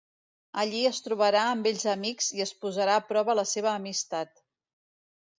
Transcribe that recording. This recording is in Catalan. Allí es trobarà amb vells amics i es posarà a prova la seva amistat.